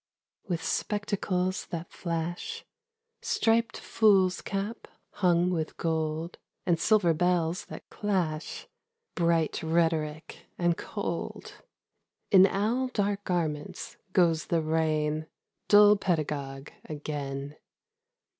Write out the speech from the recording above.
WITH spectacles that flash, Striped foolscap hung with gold And silver bells that clash Bright rhetoric and cold, — In owl dark garments, goes the Rain, Dull pedagogue, again.